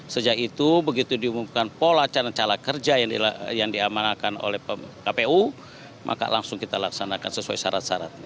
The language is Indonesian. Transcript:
sejak itu begitu diumumkan pola cara cara kerja yang diamanahkan oleh kpu maka langsung kita laksanakan sesuai syarat syaratnya